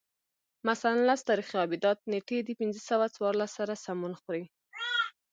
مثلاً لس تاریخي آبدات نېټې د پنځه سوه څوارلس سره سمون خوري